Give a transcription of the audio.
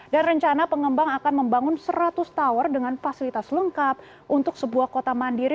dan rencana pengembang akan membangun seratus tower dengan fasilitas lengkap untuk sebuah kota mandiri